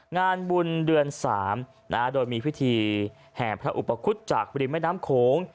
งานบุญเดือน๓โดยมีพิธีแห่พระอุปคุฎจากริมแม่น้ำโขง